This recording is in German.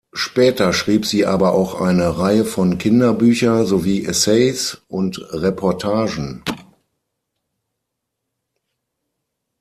Später schrieb sie aber auch eine Reihe von Kinderbücher sowie Essays und Reportagen.